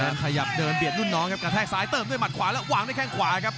ขยับเดินเบียดรุ่นน้องครับกระแทกซ้ายเติมด้วยหมัดขวาแล้ววางด้วยแข้งขวาครับ